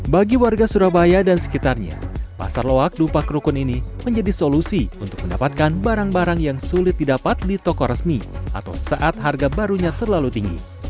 bagi warga surabaya dan sekitarnya pasar loak dupa kerukun ini menjadi solusi untuk mendapatkan barang barang yang sulit didapat di toko resmi atau saat harga barunya terlalu tinggi